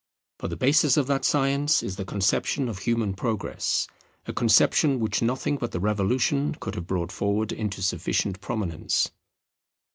For the basis of that science is the conception of human Progress, a conception which nothing but the Revolution could have brought forward into sufficient prominence.